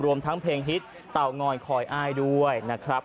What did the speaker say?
รวมทั้งเพลงฮิตเตางอยคอยอ้ายด้วยนะครับ